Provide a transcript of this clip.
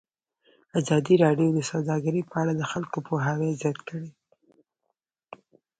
ازادي راډیو د سوداګري په اړه د خلکو پوهاوی زیات کړی.